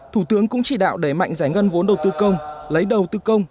thủ tướng cũng chỉ đạo đẩy mạnh giải ngân vốn đầu tư công lấy đầu tư công